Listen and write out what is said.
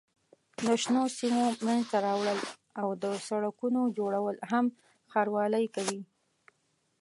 د شنو سیمو منځته راوړل او د سړکونو جوړول هم ښاروالۍ کوي.